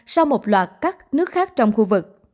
sau một loạt các nước khác trong khu vực